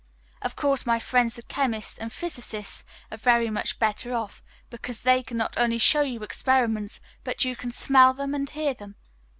Of course my friends the chemists and physicists are very much better off, because they can not only show you experiments, but you can smell them and hear them!